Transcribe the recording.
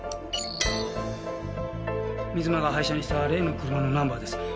水間が廃車にした例の車のナンバーです。